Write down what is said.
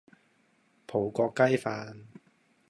葡國雞飯